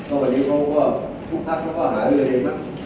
ตอนนี้เขาก็ทุกพักเขาก็ใช้เรื่องเองนะ